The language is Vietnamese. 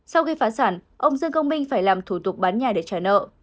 sau khi phá sản ông dương công minh phải làm thủ tục bán nhà để trả nợ